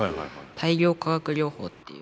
大量化学療法っていう。